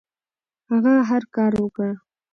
هغه هر کار وکړ.